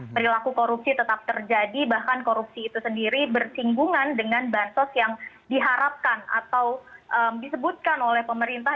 perilaku korupsi tetap terjadi bahkan korupsi itu sendiri bersinggungan dengan bansos yang diharapkan atau disebutkan oleh pemerintah